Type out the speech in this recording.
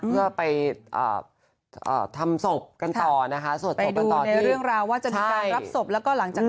เค้าเข้อมีลิมานทหาแบบเจ้าก่อหลายคน